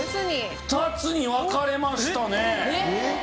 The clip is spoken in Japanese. ２つに分かれましたね。